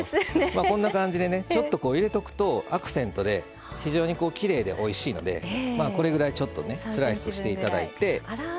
こんな感じで、ちょっと入れておくとアクセントで非常にきれいで、おいしいのでこれぐらいスライスしてもらって。